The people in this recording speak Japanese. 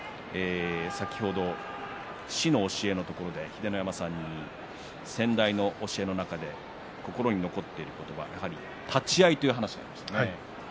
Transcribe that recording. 「師の教え」のところで秀ノ山さんに先代の教えの中で心に残っているのは立ち合いという話がありました。